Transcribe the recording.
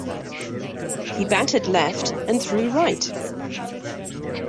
He batted left and threw right.